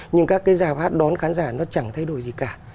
nhưng các cái giảp hát đón khán giả nó chẳng thay đổi gì cả